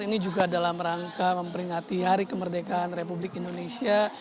ini juga dalam rangka memperingati hari kemerdekaan republik indonesia